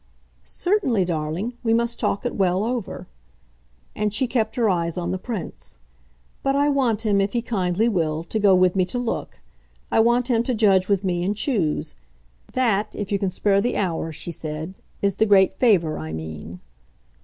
"Certainly, darling, we must talk it well over." And she kept her eyes on the Prince. "But I want him, if he kindly will, to go with me to look. I want him to judge with me and choose. That, if you can spare the hour," she said, "is the great favour I mean."